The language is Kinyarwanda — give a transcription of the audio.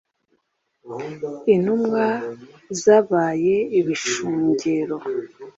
intumwa zabaye ibishungero